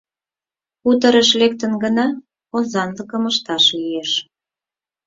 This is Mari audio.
Хуторыш лектын гына, озанлыкым ышташ лиеш».